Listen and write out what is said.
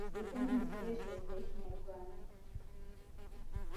ndetse n’imikoreshereze y’Ikinyarwanda.